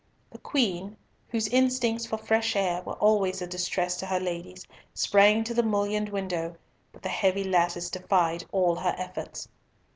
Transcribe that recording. The Queen, whose instincts for fresh air were always a distress to her ladies, sprang to the mullioned window, but the heavy lattice defied all her efforts.